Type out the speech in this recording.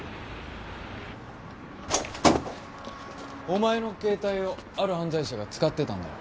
お前の携帯をある犯罪者が使ってたんだよ。